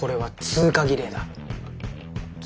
通過儀礼？